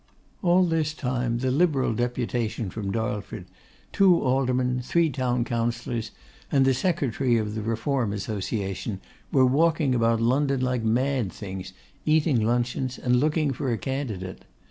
All this time the Liberal deputation from Darlford, two aldermen, three town councillors, and the Secretary of the Reform Association, were walking about London like mad things, eating luncheons and looking for a candidate.